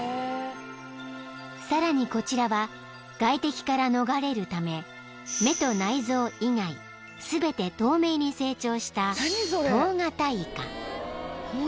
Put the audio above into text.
［さらにこちらは外敵から逃れるため目と内臓以外全て透明に成長した］